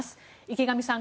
池上さん